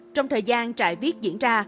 trong thời gian trại viết diễn ra